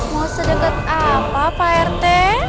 mau sedekat apa pak rt